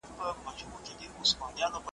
ولې د هغوی حکومت ته راشد خلافت ویل کیږي؟